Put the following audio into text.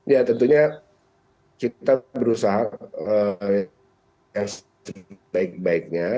ya tentunya kita berusaha yang sebaik baiknya